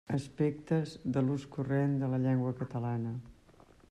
Aspectes de l'ús corrent de la llengua catalana.